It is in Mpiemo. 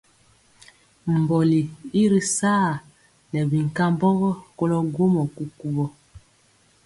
Mbɔli i ri saa nɛ binkambɔgɔ kolɔ gwomɔ kukuwɔ.